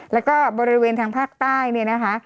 แล้วก็บริเวณทางภาคใต้เนี่ยนะคะ